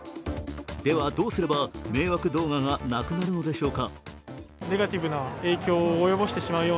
では、どうすれば迷惑動画がなくなるのでしょうか。